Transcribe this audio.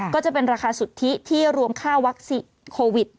ก็จะเป็นราคาสุทธิที่รวมค่าวัคซีนโควิด